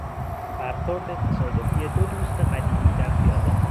برخورد تصادفی دو دوست قدیمی در خیابان